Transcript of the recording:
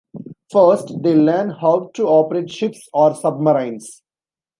First, they learn how to operate ships or submarines.